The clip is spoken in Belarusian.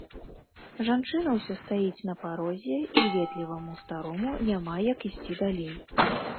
Жанчына ўсё стаіць на парозе, і ветліваму старому няма як ісці далей.